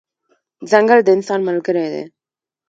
ځنګل د انسان ملګری دی.